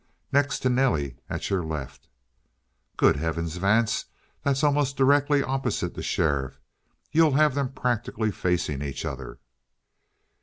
"Next to Nelly, at your left." "Good heavens, Vance, that's almost directly opposite the sheriff. You'll have them practically facing each other."